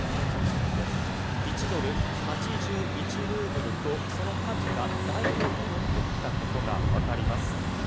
ルーブルとその価値がだいぶ戻ってきたことが分かります。